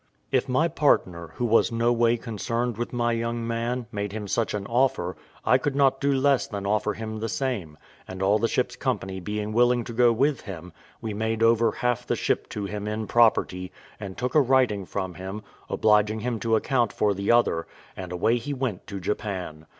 If my partner, who was no way concerned with my young man, made him such an offer, I could not do less than offer him the same; and all the ship's company being willing to go with him, we made over half the ship to him in property, and took a writing from him, obliging him to account for the other, and away he went to Japan.